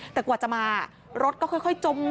แต่กว่าจะมารถก็ค่อยจม